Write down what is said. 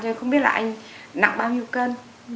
cho nên không biết là anh nặng bao nhiêu cân